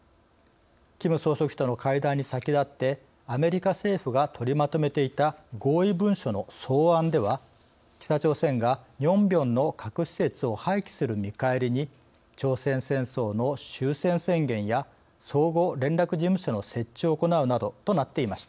キム総書記との会談に先立ってアメリカ政府が取りまとめていた合意文書の草案では北朝鮮がニョンビョンの核施設を廃棄する見返りに朝鮮戦争の終戦宣言や相互連絡事務所の設置を行うなどとなっていました。